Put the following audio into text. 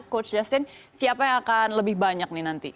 coach justin siapa yang akan lebih banyak nih nanti